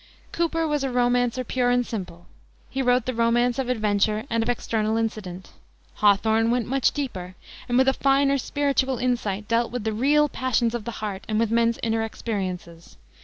Cooper was a romancer pure and simple; he wrote the romance of adventure and of external incident. Hawthorne went much deeper, and with a finer spiritual insight dealt with the real passions of the heart and with men's inner experiences.